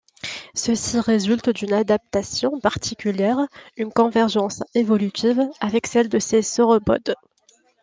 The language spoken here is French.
Ceci résulte d'une adaptation particulière, une convergence évolutive, avec celle de ces sauropodes.